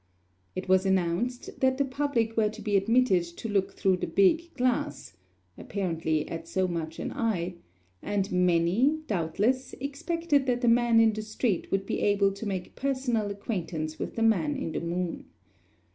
It was announced that the public were to be admitted to look through the big glass (apparently at so much an eye), and many, doubtless, expected that the man in the street would be able to make personal acquaintance with the man in the moon.